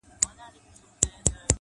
لكه ژړا،